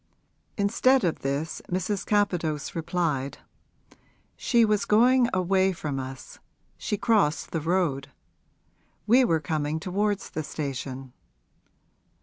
Instead of this Mrs. Capadose replied, 'She was going away from us she crossed the road. We were coming towards the station.'